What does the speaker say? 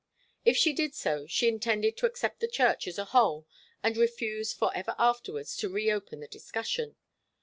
If she did so, she intended to accept the Church as a whole and refuse, forever afterwards, to reopen the discussion.